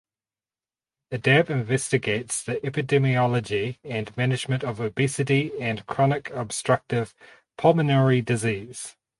Adab investigates the epidemiology and management of obesity and chronic obstructive pulmonary disease.